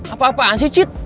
apa apaan sih cid